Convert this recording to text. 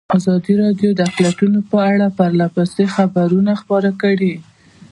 ازادي راډیو د اقلیتونه په اړه پرله پسې خبرونه خپاره کړي.